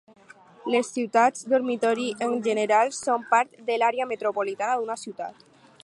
Les ciutats dormitori en general són part de l'Àrea Metropolitana d'una ciutat.